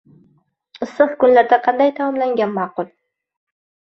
Issiq kunlarda qanday taomlangan ma'qul?